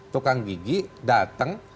tukang gigi dateng